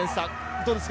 どうですか？